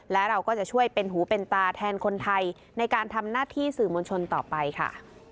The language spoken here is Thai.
และเราก็จะช่วยเป็นหูเป็นตาแทนคนไทยในการทำหน้าที่สื่อมวลชนต่อไปค่ะ